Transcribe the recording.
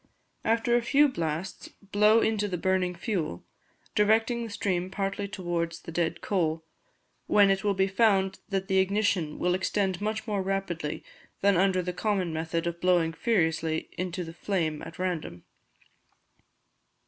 After a few blasts blow into the burning fuel, directing the stream partly towards the dead coal, when it will be found that the ignition will extend much more rapidly than under the common method of blowing furiously into the flame at random.